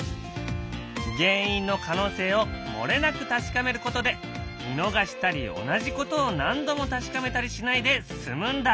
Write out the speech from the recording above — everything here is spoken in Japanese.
原因の可能性を漏れなく確かめることで見逃したり同じことを何度も確かめたりしないで済むんだ。